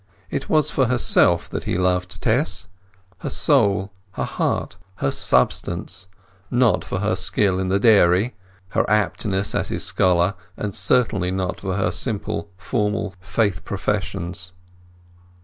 It was for herself that he loved Tess; her soul, her heart, her substance—not for her skill in the dairy, her aptness as his scholar, and certainly not for her simple formal faith professions.